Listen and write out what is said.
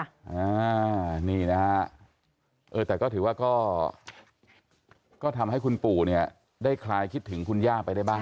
อ่านี่นะฮะเออแต่ก็ถือว่าก็ก็ทำให้คุณปู่เนี่ยได้คลายคิดถึงคุณย่าไปได้บ้าง